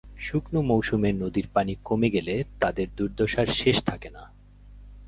শুকনো মৌসুমে নদীর পানি কমে গেলে তাদের দুর্দশার শেষ থাকে না।